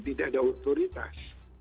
tidak ada otoritas